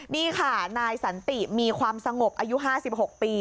นี่ค่ะนายสันติมีความสงบอายุ๕๖ปี